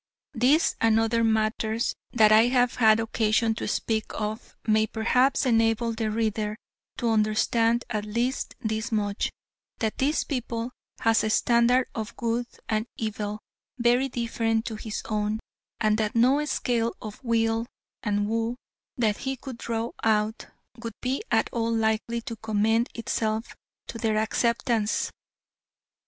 This and other matters that I have had occasion to speak of may perhaps enable the reader to understand at least this much that this people has a standard of good and evil very different to his own, and that no scale of weal and woe that he could draw out would be at all likely to commend itself to their acceptance.